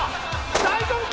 大丈夫か？